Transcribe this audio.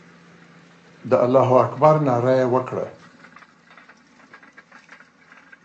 د الله اکبر ناره وکړه.